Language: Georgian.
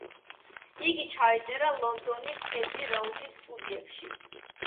იგი ჩაიწერა ლონდონის ები-როუდის სტუდიებში.